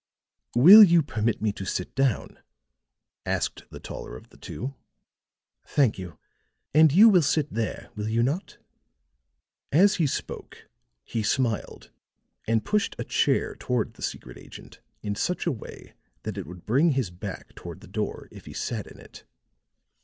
"Will you permit me to sit down?" asked the taller of the two. "Thank you; and you will sit there, will you not?" As he spoke he smiled and pushed a chair toward the secret agent in such a way that it would bring his back toward the door if he sat in it.